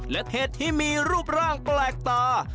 และเทศที่มีรูปร่างแปลกตา